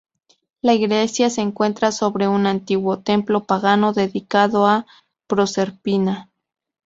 La iglesia se encuentra sobre un antiguo templo pagano dedicado a Proserpina.